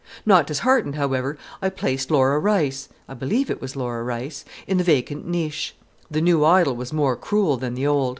Not disheartened, however, I placed Laura Rice I believe it was Laura Rice in the vacant niche. The new idol was more cruel than the old.